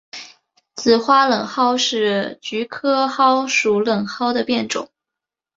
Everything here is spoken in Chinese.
紫花冷蒿是菊科蒿属冷蒿的变种。